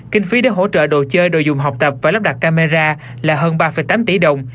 kinh phí để hỗ trợ đồ chơi đồ dùng học tập và lắp đặt camera là hơn ba tám tỷ đồng